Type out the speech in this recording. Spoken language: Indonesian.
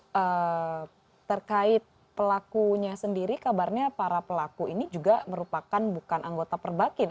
nah terkait pelakunya sendiri kabarnya para pelaku ini juga merupakan bukan anggota perbakin